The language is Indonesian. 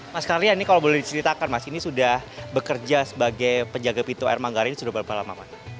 mas karlian ini kalau boleh diceritakan mas ini sudah bekerja sebagai penjaga pintu air manggarai ini sudah berapa lama mas